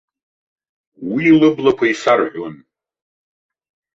Уи лыблақәа исарҳәон.